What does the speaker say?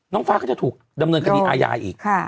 ฟ้าก็จะถูกดำเนินคดีอาญาอีก